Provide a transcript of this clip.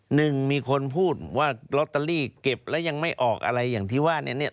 หนึ่งมีคนพูดว่าลอตเตอรี่เก็บแล้วยังไม่ออกอะไรอย่างที่ว่าเนี่ย